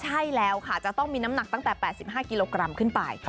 ใช่แล้วค่ะจะต้องมีน้ำหนักตั้งแต่๘๕กิโลกรัมขึ้นไป